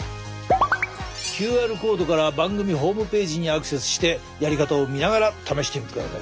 ＱＲコードから番組ホームページにアクセスしてやり方を見ながら試してみてください。